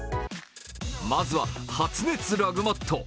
まずは発熱ラグマット。